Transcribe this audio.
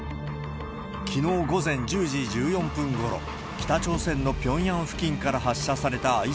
きのう午前１０時１４分ごろ、北朝鮮のピョンヤン付近から発射されたＩＣＢＭは、